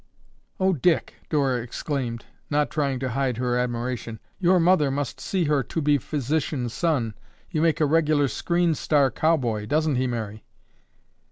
"Oh, Dick," Dora exclaimed, not trying to hide her admiration, "your mother must see her to be physician son. You make a regular screen star cowboy, doesn't he, Mary?"